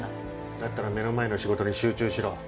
だったら目の前の仕事に集中しろ。